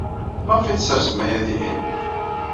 Maɣef ay tessersem aya dihin?